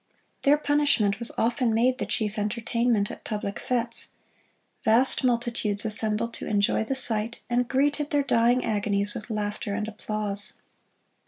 Their punishment was often made the chief entertainment at public fêtes. Vast multitudes assembled to enjoy the sight, and greeted their dying agonies with laughter and applause.